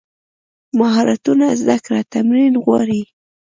مهارتونه زده کړه تمرین غواړي.